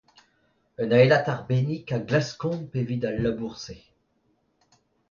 Un aelad arbennik a glaskomp evit al labour-se.